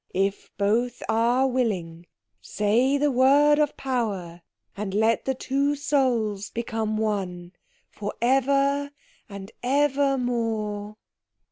"If both are willing, say the word of Power, and let the two souls become one for ever and ever more."